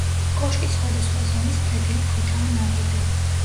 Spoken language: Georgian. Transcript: კოშკი სხვადასხვა ზომის ფლეთილი ქვითაა ნაგები.